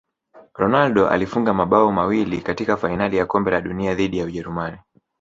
ronaldo alifunga mabao mawili katika fainali ya kombe la dunia dhidi ya ujerumani